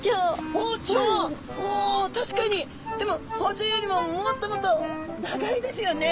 でも包丁よりももっともっと長いですよね。